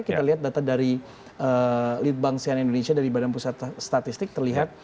kita lihat data dari lead bank sian indonesia dari badan pusat statistik terlihat